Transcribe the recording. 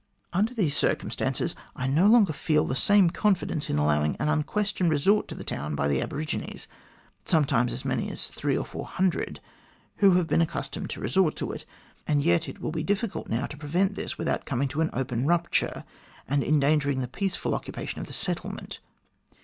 Under these circumstances, I no longer feel the same confidence in allowing an unquestioned resort to the town by the aborigines sometimes so many as three or four hundred, who have been accustomed to resort to it and yet it will be difficult now to prevent this without coming to an open rupture, and endangering the peaceful occupation of the settlement.